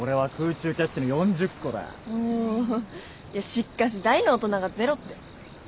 しっかし大の大人がゼロって。